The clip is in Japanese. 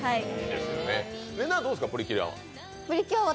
れなぁ、どうですか、プリキュアは。